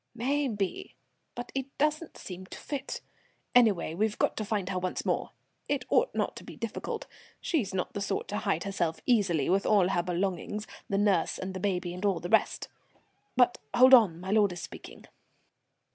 "May be. But it don't seem to fit. Anyway, we've got to find her once more. It ought not to be difficult. She's not the sort to hide herself easily, with all her belongings, the nurse and the baby and all the rest. But hold on, my lord is speaking."